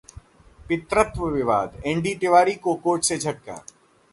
पितृत्व विवाद: एनडी तिवारी को कोर्ट से झटका